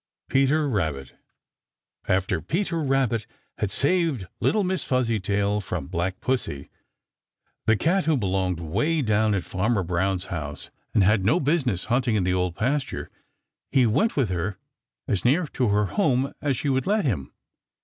Peter Rabbit. After Peter Rabbit had saved little Miss Fuzzytail from Black Pussy, the cat who belonged way down at Farmer Brown's house and had no business hunting in the Old Pasture, he went with her as near to her home as she would let him.